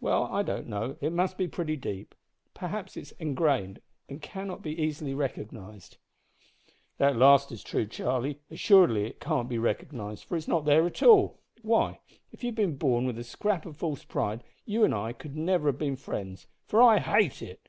"Well, I don't know. It must be pretty deep. Perhaps it is engrained, and cannot be easily recognised." "That last is true, Charlie. Assuredly it can't be recognised, for it's not there at all. Why, if you had been born with a scrap of false pride you and I could never have been friends for I hate it!"